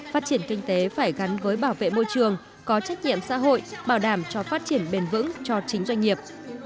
phát triển kinh tế phải gắn với bảo vệ môi trường có trách nhiệm xã hội bảo đảm cho phát triển bền vững cho chính doanh nghiệp